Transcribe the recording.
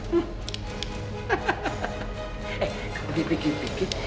eh lebih pikir pikir